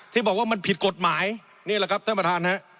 ที่บอกว่ามันผิดกฎหมายนี่แหละครับท่านประธานฮะ